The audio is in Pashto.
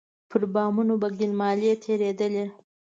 پر بامونو به ګيل مالې تېرېدلې.